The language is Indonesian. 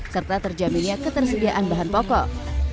serta terjaminnya ketersediaan bahan pokok